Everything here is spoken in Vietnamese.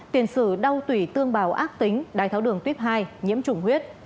tiền sử đau tủy tương bào ác tính đai tháo đường tuyếp hai nhiễm chủng huyết